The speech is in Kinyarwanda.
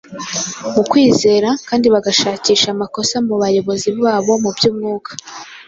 mu kwizera kandi bagashakisha amakosa mu bayobozi babo mu by’umwuka.